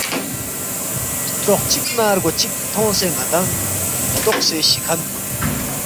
سترو ق چک نہ رگو چک تھونگسے ندانگ دوقسے شی کھن کُن